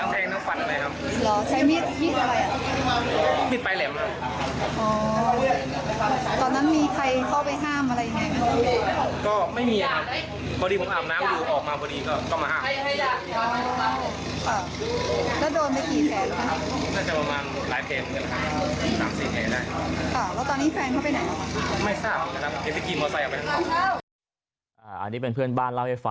แล้วโดนไปกี่แสนแล้วล่ะ